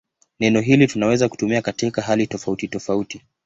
Neno hili tunaweza kutumia katika hali tofautitofauti.